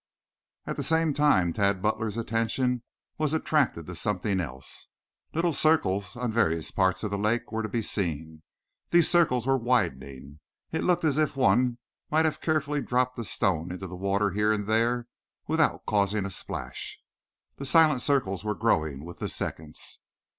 At the same time Tad Butler's attention was attracted to something else. Little circles on various parts of the lake were to be seen. These circles were widening. It looked as if one might have carefully dropped a stone into the water here and there without causing a splash. The silent circles were growing with the seconds.